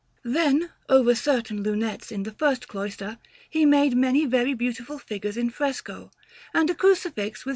Then, over certain lunettes in the first cloister, he made many very beautiful figures in fresco, and a Crucifix with S.